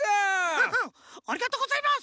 フフッありがとうございます！